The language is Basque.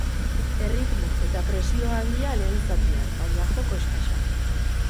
Erritmo eta presio handia lehen zatian, baina joko eskasa.